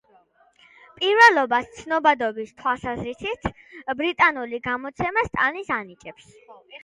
პირველობას ცნობადობის თვალსაზრისით, ბრიტანული გამოცემა სტალინს ანიჭებს.